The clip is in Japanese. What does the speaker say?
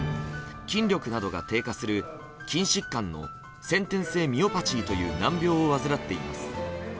筋力などが低下する筋疾患の先天性ミオパチーという難病を患っています。